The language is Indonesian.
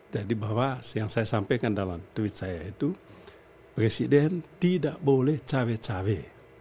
jadi bahwa yang saya sampaikan dalam tweet saya itu presiden tidak boleh cawe cawe